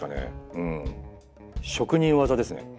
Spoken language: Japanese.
うん職人技ですね。